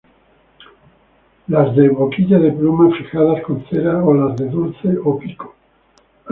Las de "boquilla de pluma", fijadas con cera o las de "dulce" o "pico".